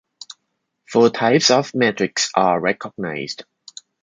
Four types of metrics are recognized.